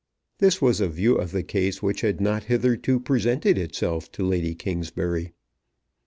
This was a view of the case which had not hitherto presented itself to Lady Kingsbury.